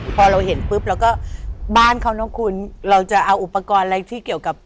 พอเราเห็นปุ๊บเราก็บ้านเขานะคุณเราจะเอาอุปกรณ์อะไรที่เกี่ยวกับ